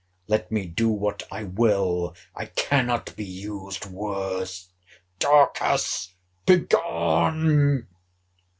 Let me do what I will, I cannot be used worse—Dorcas, begone!